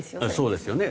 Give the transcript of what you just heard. そうですよね。